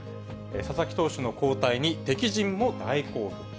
佐々木投手の交代に敵陣も大興奮。